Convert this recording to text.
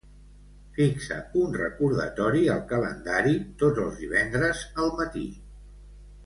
Fixa un recordatori al calendari tots els divendres al matí.